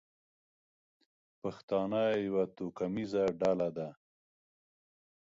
پښتانه یوه توکمیزه ډله ده.